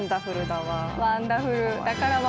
ワンダフルだわ。